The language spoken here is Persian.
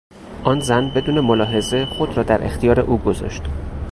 آن زن بدون ملاحظه خود را در اختیار او گذاشت.